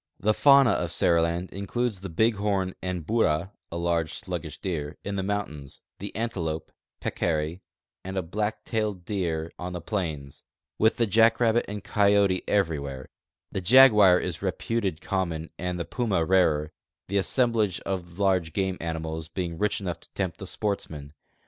The fauna of Seriland includes the bighorn and bura (a large, sluggish deer) in the mountains, the antelope, peccary, and black tail deer on tlie plains, with the jackrabbit and coyote every where ; the jaguar is reputed common and the puma rarer — the assemblage of large game animals being rich enough to tempt the sportsman.